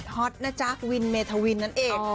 ฮอตนะจ๊ะวินเมธวินนั่นเอง